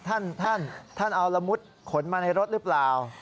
ท่านท่านเอาละมุดขนมาในรถหรือเปล่า